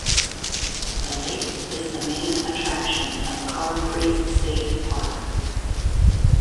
The lake is the main attraction of Carr Creek State Park.